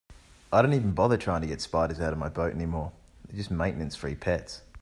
I don't even bother trying to get spiders out of my boat anymore, they're just maintenance-free pets.